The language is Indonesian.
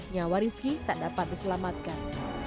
nyawa rizki tak dapat diselamatkan